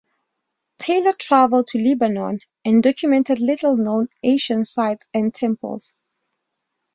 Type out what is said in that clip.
Taylor traveled to Lebanon and documented little known ancient sites and temples.